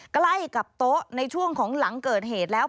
ใกล้กับโต๊ะในช่วงของหลังเกิดเหตุแล้ว